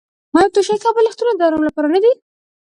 آیا توشکې او بالښتونه د ارام لپاره نه دي؟